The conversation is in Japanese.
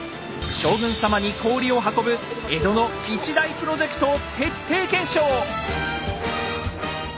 将軍様に氷を運ぶ江戸の一大プロジェクトを徹底検証！